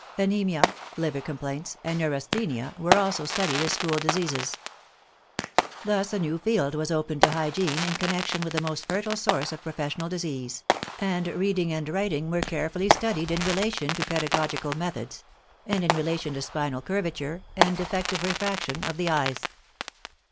Anemia, liver complaints, and neurasthenia were also studied as school diseases. Thus a new field was opened to hygiene in connection with the most fertile source of professional disease, and reading and writing were carefully studied in relation to pedagogical methods, and in relation to spinal curvature and defective refraction of the eyes.